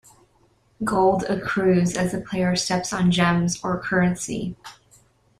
Gold accrues as the player steps on gems or currency.